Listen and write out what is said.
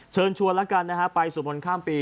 เชิญชวนแล้วกันนะฮะไปสวดมนต์ข้ามปี